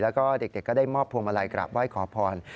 แล้วก็เด็กก็ได้มอบพวงมาลัยกราบไหว้ขอพร